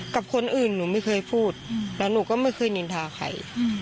กับคนอื่นหนูไม่เคยพูดแล้วหนูก็ไม่เคยนินทาใคร